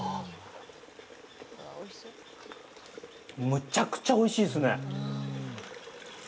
むちゃくちゃおいしいっすね！